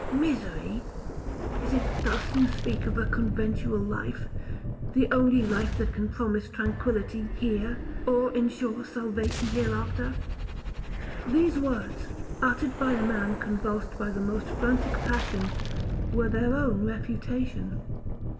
'Misery! is it thus you speak of a conventual life, the only life that can promise tranquillity here, or ensure salvation hereafter.' These words, uttered by a man convulsed by the most frantic passion, were their own refutation.